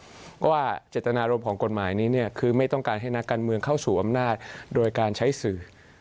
เพราะว่าเจตนารมณ์ของกฎหมายนี้เนี่ยคือไม่ต้องการให้นักการเมืองเข้าสู่อำนาจโดยการใช้สื่อ